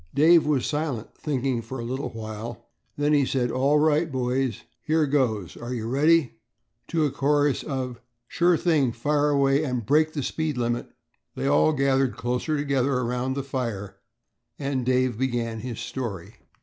Dave was silent, thinking for a little while. Then he said, "All right boys, here goes. Are you ready?" To a chorus of "Sure thing, fire away, and break the speed limit," they all gathered closer together around the fire and Dave began his story.